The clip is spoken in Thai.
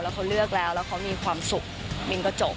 เขาเลือกแล้วแล้วเขามีความสุขมินก็จบ